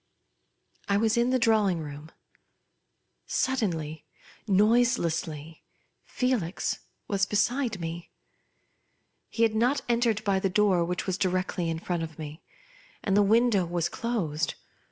I was in the drawing room. Suddenly, noiselessly, Felix was beside me. He had not entered by the door which was directly in front of me ; and the window was closed.